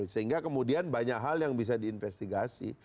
sehingga kemudian banyak hal yang bisa diinvestigasi